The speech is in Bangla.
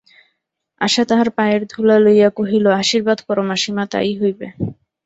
আশা তাঁহার পায়ের ধূলা লইয়া কহিল, আশীর্বাদ করো মাসিমা, তাই হইবে।